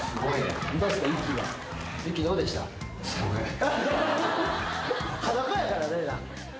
おい！